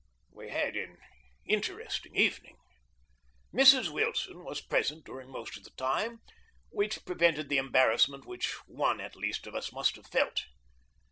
We had an interesting evening. Mrs. Wilson was present during most of the time, which prevented the embarrassment which one at least of us must have felt.